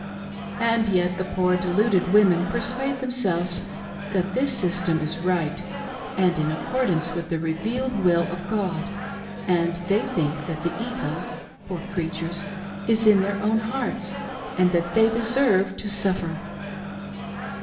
And yet the poor deluded women persuade themselves that this system is right and in accordance with the revealed will of God ; and they think that the evil — poor creatures !^is in their own hearts and that they deserve to suffer..